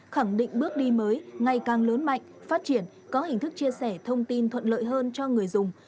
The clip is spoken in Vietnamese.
khẳng định bước đi mới ngày càng lớn mạnh phát triển có hình thức chia sẻ thông tin thuận lợi hơn cho người dùng